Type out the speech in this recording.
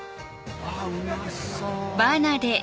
わうまそう。